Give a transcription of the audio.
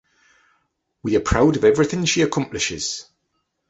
We are proud of everything she accomplishes.